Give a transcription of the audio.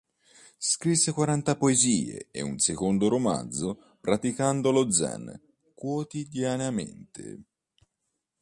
Scrisse quaranta poesie e un secondo romanzo, praticando lo zen quotidianamente..